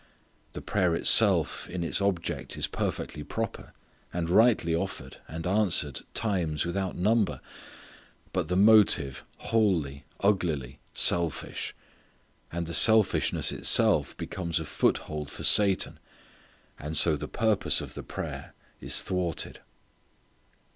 The prayer itself in its object is perfectly proper, and rightly offered and answered times without number; but the motive wholly, uglily selfish and the selfishness itself becomes a foothold for Satan and so the purpose of the prayer is thwarted.